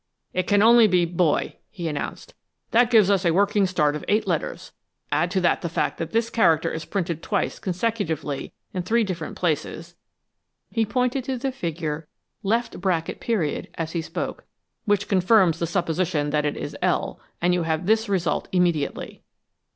"It can only be boy," he announced. "That gives us a working start of eight letters. Add to that the fact that this character is printed twice consecutively in three different places" he pointed to the figure =[.= as he spoke "which confirms the supposition that it is l, and you have this result immediately."